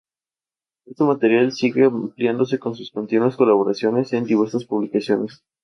Este material sigue ampliándose con sus continuas colaboraciones en diversas publicaciones.